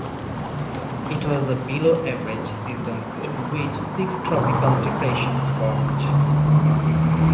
It was a below average season in which six tropical depressions formed.